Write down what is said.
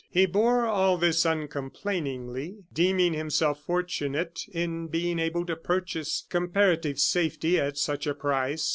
He bore all this uncomplainingly, deeming himself fortunate in being able to purchase comparative safety at such a price.